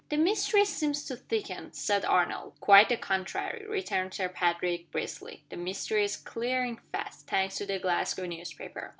"The mystery seems to thicken," said Arnold. "Quite the contrary," returned Sir Patrick, briskly. "The mystery is clearing fast thanks to the Glasgow newspaper.